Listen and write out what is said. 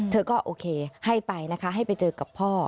เธอก็โอเคให้ไปนะคะให้ไปเจอกับพ่อ